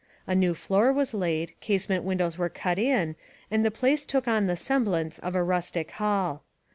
A new floor was laid, casement windows were cut in and the place took on the semblance of a rustic hall.